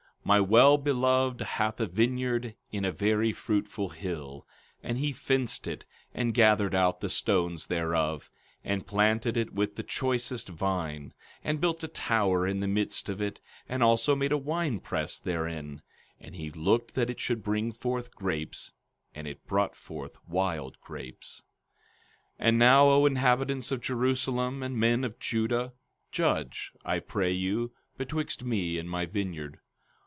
My well beloved hath a vineyard in a very fruitful hill. 15:2 And he fenced it, and gathered out the stones thereof, and planted it with the choicest vine, and built a tower in the midst of it, and also made a wine press therein; and he looked that it should bring forth grapes, and it brought forth wild grapes. 15:3 And now, O inhabitants of Jerusalem, and men of Judah, judge, I pray you, betwixt me and my vineyard.